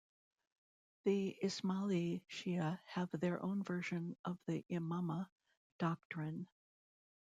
The Ismaili Shia have their own version of the Imamah doctrine.